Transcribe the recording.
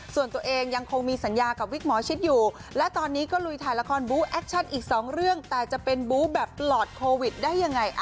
ส่วนตัวเองยังคงมีสัญญากับวิกหมอชิดอยู่และตอนนี้ก็ลุยถ่ายละครบู้แอคชั่นอีกสองเรื่องแต่จะเป็นบู๊แบบหลอดโควิดได้ยังไง